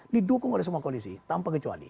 didukung oleh semua koalisi tanpa kecuali